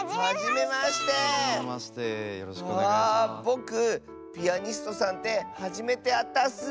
ぼくピアニストさんってはじめてあったッス。